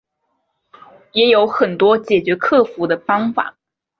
也有很多解决克服的方法